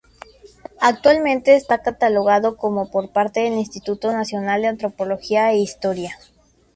Actualmente está catalogado como por parte del Instituto Nacional de Antropología e Historia.